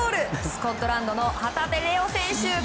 スコットランドの旗手怜央選手。